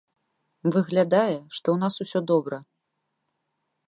Выглядае, што ў нас усё добра.